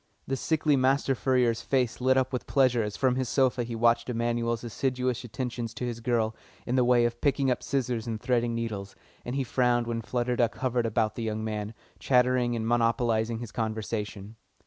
The sickly master furrier's face lit up with pleasure as from his sofa he watched Emanuel's assiduous attentions to his girl in the way of picking up scissors and threading needles, and he frowned when Flutter Duck hovered about the young man, chattering and monopolising his conversation.